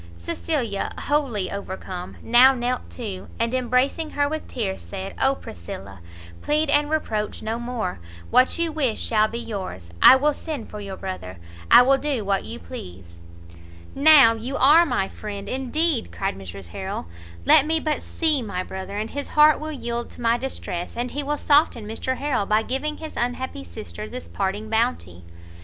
Cecilia, wholly overcome, now knelt too, and embracing her with tears, said "Oh Priscilla, plead and reproach no more! what you wish shall be yours, I will send for your brother, I will do what you please!" "Now you are my friend indeed!" cried Mrs Harrel, "let me but see my brother, and his heart will yield to my distress, and he will soften Mr Harrel by giving his unhappy sister this parting bounty."